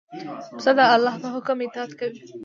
پسه د الله د حکم اطاعت کوي.